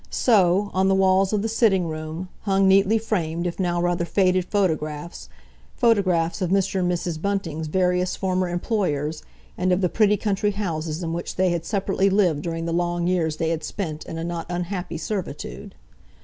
So, on the walls of the sitting room, hung neatly framed if now rather faded photographs—photographs of Mr. and Mrs. Bunting's various former employers, and of the pretty country houses in which they had separately lived during the long years they had spent in a not unhappy servitude.